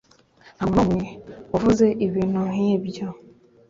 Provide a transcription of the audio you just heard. ntamuntu numwe wavuze ibintu nkibyo